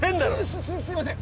すすすいません